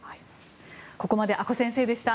ここまで阿古先生でした。